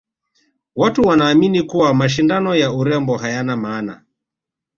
watu wanaamini kuwa mashindano ya urembo hayana maana